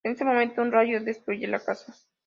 En ese momento, un rayo destruye la casa.